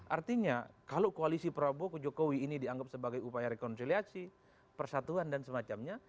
artinya kalau koalisi prabowo ke jokowi ini dianggap sebagai upaya rekonsiliasi persatuan dan semacamnya